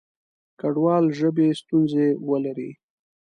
کډوال ژبې ستونزې ولري.